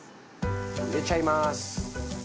入れちゃいます。